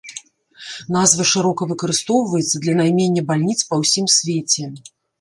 Назва шырока выкарыстоўваецца для наймення бальніц па ўсім свеце.